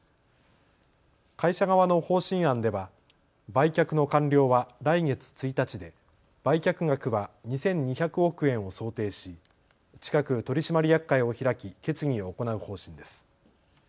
会社側の方針案では売却の完了は来月１日で売却額は２２００億円を想定し近く取締役会を開き決議を行う方針です。